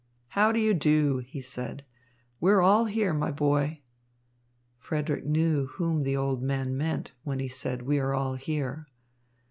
"How do you do?" he said. "We are all here, my boy." Frederick knew whom the old man meant when he said, "We are all here."